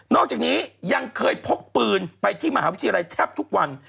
อกจากนี้ยังเคยพกปืนไปที่มหาวิทยาลัยแทบทุกวัน